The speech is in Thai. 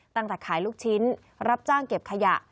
ตั้งแต่ขายลูกชิ้นรับจ้างเก็บขยะ